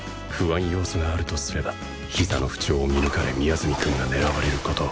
不安要素があるとすればひざの不調を見抜かれ宮澄くんが狙われる事